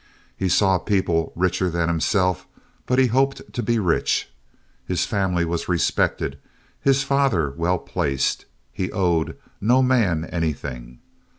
He saw people richer than himself, but he hoped to be rich. His family was respected, his father well placed. He owed no man anything.